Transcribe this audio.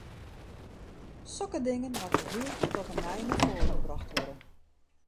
Sokke dingen moatte hieltyd op 'e nij nei foaren brocht wurde.